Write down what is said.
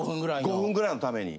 ５分ぐらいのために。